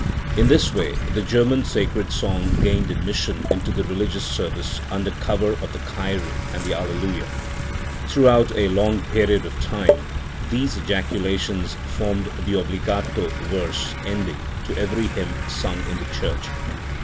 In this way the German sacred song gained admission into the religious service under cover of the Kyrie and the Alleluia. Throughout a long period of time these ejaculations formed the obbligato verse ending to every hymn sung in the church.